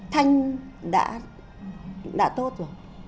thanh đã tốt rồi